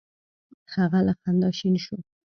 هغه له خندا شین شو: